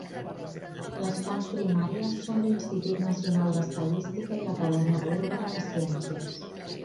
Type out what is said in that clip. Les fonts primàries són l'Institut Nacional d'Estadística i l'Acadèmia Búlgara de Ciències.